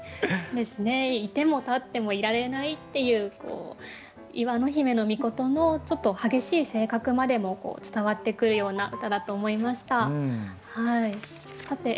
居ても立ってもいられないっていう磐之媛命のちょっと激しい性格までも伝わってくるような歌だと思いました。